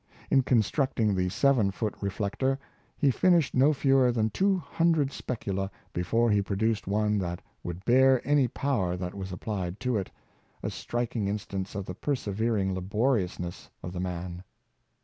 In con structing the seven foot reflector, he finished no fewer than two hundred specula before he produced one that would bear any power that was applied to it — a striking instance of the persevering laboriousness of the man.